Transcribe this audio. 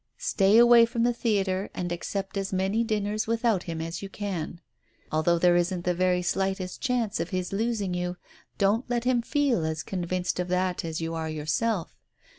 Stay away from the theatre and accept as many dinners with out him as you can. Although there isn't the very slightest chance of his losing you, don't let him feel as convinced of that as you are yourself.